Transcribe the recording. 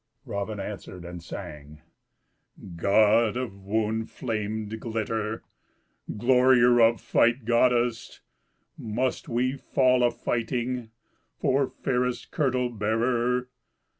Raven answered and sang, "God of wound flamed glitter, Glorier of fight goddess, Must we fall a fighting For fairest kirtle bearer?